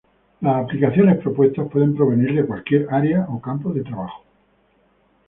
Las aplicaciones propuestas pueden provenir de cualquier área o campo de trabajo.